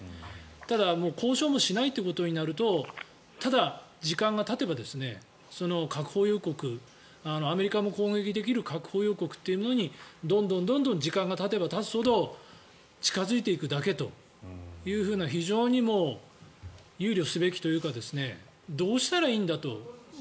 ただ、交渉もしないということになるとただ、時間がたてば核保有国、アメリカも攻撃できる核保有国というものにどんどん時間がたてばたつほど近付いていくだけという非常に憂慮すべきというかどうしたらいいんだと。